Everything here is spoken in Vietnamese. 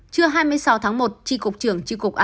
chưa hai mươi sáu tháng một tri cục trường tri cục an